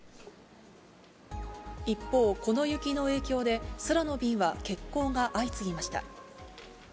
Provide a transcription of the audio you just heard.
一方、この雪の影響で、空の便は欠航が相次ぎました。